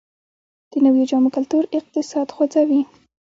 د نویو جامو کلتور اقتصاد خوځوي